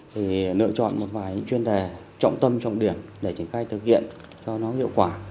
thì lựa chọn một vài những chuyên đề trọng tâm trọng điểm để triển khai thực hiện cho nó hiệu quả